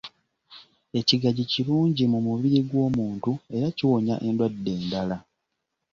Ekigagi kirungi mu mubiri gw’omuntu era kiwonya endwadde endala.